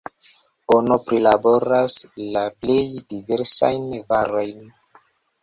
Ono prilaboras la plej diversajn varojn.